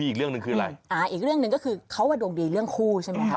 อีกเรื่องหนึ่งอีกเรื่องหนึ่งก็คือเขาว่าดวงดีเรื่องคู่ใช่มั้ย